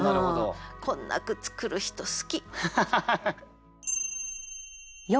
こんな句作る人好き。